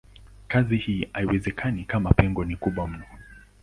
Kazi hii haiwezekani kama pengo ni kubwa mno.